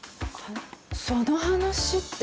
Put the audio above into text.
その話って。